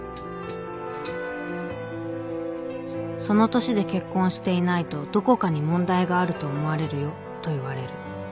「『その年で結婚していないとどこかに問題があると思われるよ』と言われる。